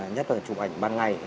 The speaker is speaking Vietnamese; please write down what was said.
nhất là chụp ảnh ban ngày